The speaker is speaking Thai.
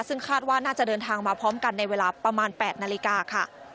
ซึ่งคาดว่าน่าจะเดินทางมาพร้อมกันในเวลาประมาณ๘นาฬิกาค่ะ